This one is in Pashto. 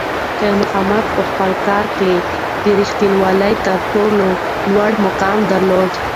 خیر محمد په خپل کار کې د رښتونولۍ تر ټولو لوړ مقام درلود.